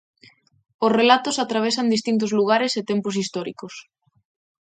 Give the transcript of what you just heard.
Os relatos atravesan distintos lugares e tempos históricos.